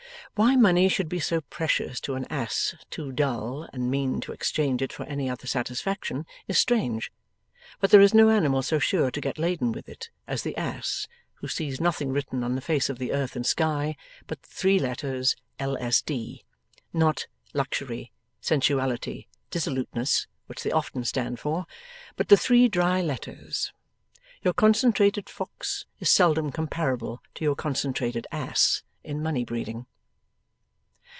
Why money should be so precious to an Ass too dull and mean to exchange it for any other satisfaction, is strange; but there is no animal so sure to get laden with it, as the Ass who sees nothing written on the face of the earth and sky but the three letters L. S. D. not Luxury, Sensuality, Dissoluteness, which they often stand for, but the three dry letters. Your concentrated Fox is seldom comparable to your concentrated Ass in money breeding.